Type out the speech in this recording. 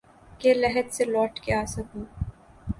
کہ لحد سے لوٹ کے آسکھوں